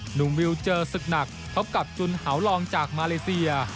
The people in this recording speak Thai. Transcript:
หนุ่มวิวเจอศึกหนักพบกับจุนหาวลองจากมาเลเซีย